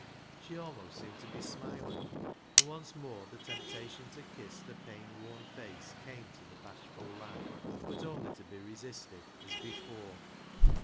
She almost seemed to be smiling, and once more the temptation to kiss the pain worn face came to the bashful lad, but only to be resisted, as before.